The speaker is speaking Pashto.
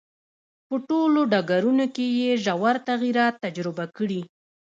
په ټولو ډګرونو کې یې ژور تغییرات تجربه کړي.